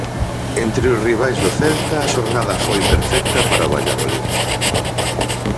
Entre os rivais do Celta a xornada foi perfecta para o Valladolid.